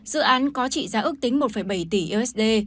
dự án có trị giá ước tính một bảy tỷ usd